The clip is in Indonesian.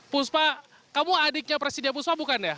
puspa kamu adiknya presiden puspa bukan ya